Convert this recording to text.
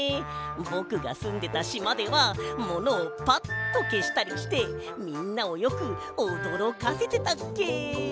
ぼくがすんでたしまではものをパッとけしたりしてみんなをよくおどろかせてたっけ。